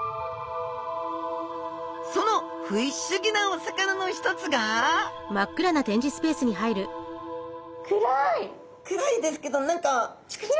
そのフィッシュギなお魚の一つが暗いですけど何かチカチカ。